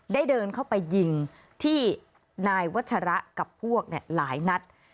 เดินเข้าไปยิงที่นายวัชระกับพวกหลายนัด